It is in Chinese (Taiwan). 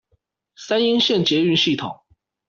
三鶯線捷運系統